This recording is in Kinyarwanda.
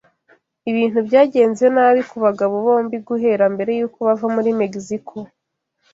Ibintu byagenze nabi kubagabo bombi guhera mbere yuko bava muri Mexico.